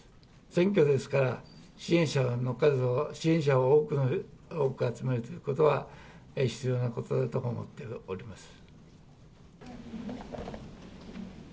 選挙ですから、支援者の数を、支援者を多く集めるということは必要なことだと思っております。